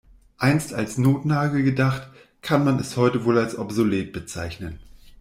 Einst als Notnagel gedacht, kann man es heute wohl als obsolet bezeichnen.